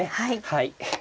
はい。